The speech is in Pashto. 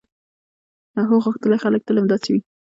هو، غښتلي خلک تل همداسې وي.